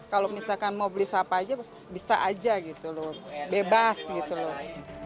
kalau misalkan mau beli sapa aja bisa aja gitu loh bebas gitu loh